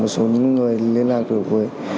một số những người liên lạc được